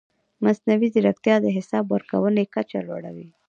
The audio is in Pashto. مصنوعي ځیرکتیا د حساب ورکونې کچه لوړوي.